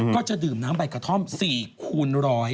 ก็จะดื่มน้ำใบกระท่อม๔คูณร้อย